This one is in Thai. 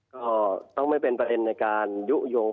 ก็ต้องไม่เป็นประเด็นในการยุโยง